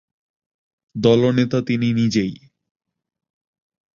দলনেতা তিনি নিজেই।